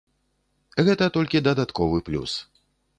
Гэта толькі дадатковы плюс.